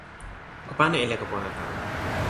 o pana e leko pona tawa mi.